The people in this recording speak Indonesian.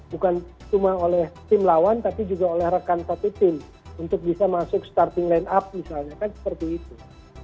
bukan cuma oleh tim lawan tapi juga oleh rekan satu tim untuk bisa masuk starting line up misalnya kan seperti itu